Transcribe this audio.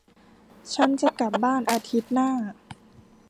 ฉันจะกลับบ้านอาทิตย์หน้า